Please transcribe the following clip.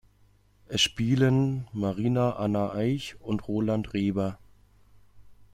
Es spielen Marina Anna Eich und Roland Reber.